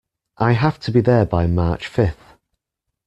I have to be there by March fifth.